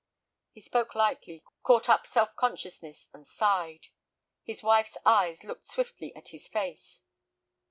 He spoke lightly, caught up self consciousness, and sighed. His wife's eyes looked swiftly at his face.